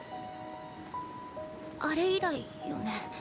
あれ以来よね？